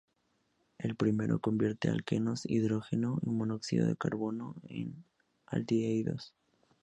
El primero convierte alquenos, hidrógeno y monóxido de carbono en aldehídos.